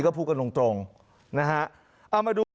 ก็พูดก็ตรงนะฮะ